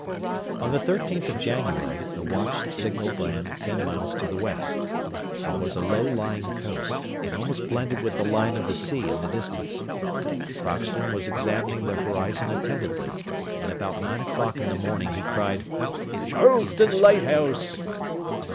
On the 13th of January, the watch signalled land ten miles to the west. It was a low lying coast, and almost blended with the line of the sea in the distance. Crockston was examining the horizon attentively, and about nine o'clock in the morning he cried: "Charleston lighthouse!"